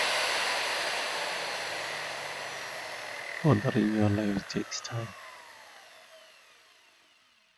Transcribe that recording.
Later PiP became available as a feature of advanced television receivers.